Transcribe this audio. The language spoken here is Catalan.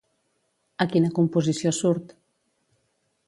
A quina composició surt?